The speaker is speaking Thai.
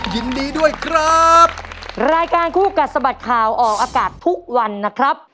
ยินดีด้วยครับรายการคู่กัดสะบัดข่าวออกอากาศทุกวันนะครับ